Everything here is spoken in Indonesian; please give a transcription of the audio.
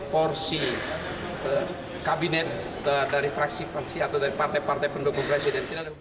porsi kabinet dari fraksi fraksi atau dari partai partai pendukung presiden